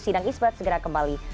sidang isbat segera kembali